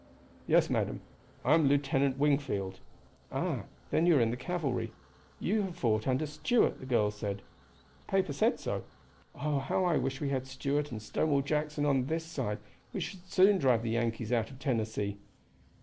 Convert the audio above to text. "Yes, madam. I am Lieutenant Wingfield." "Ah! then you are in the cavalry. You have fought under Stuart," the girl said. "The paper said so. Oh, how I wish we had Stuart and Stonewall Jackson on this side! we should soon drive the Yankees out of Tennessee."